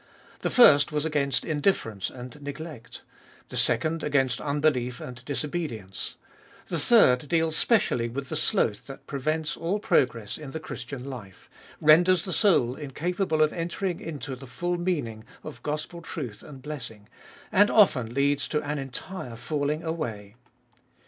The first was against in difference and neglect ; the second against unbelief and disobedi ence ; the third deals specially with the sloth that prevents all progress in the Christian life, renders the soul incapable of entering into the full meaning of gospel truth and blessing, and often leads to an entire falling away.